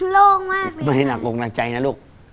โล่งมากเลยครับไม่ให้หนักลงในใจนะลูก